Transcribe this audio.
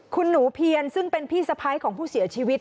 คุณหนูเพียรซึ่งเป็นพี่สะพ้ายของผู้เสียชีวิต